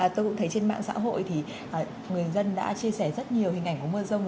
tôi cũng thấy trên mạng xã hội thì người dân đã chia sẻ rất nhiều hình ảnh của mưa rông